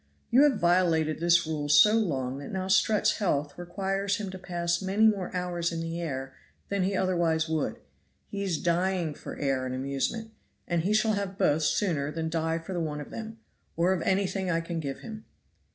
You have violated this rule so long that now Strutt's health requires him to pass many more hours in the air than he otherwise would; he is dying for air and amusement, and he shall have both sooner than die for the want of them, or of anything I can give him."